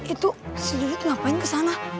itu si dudut ngapain kesana